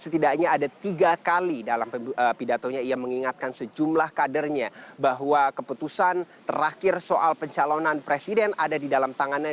setidaknya ada tiga kali dalam pidatonya ia mengingatkan sejumlah kadernya bahwa keputusan terakhir soal pencalonan presiden ada di dalam tangannya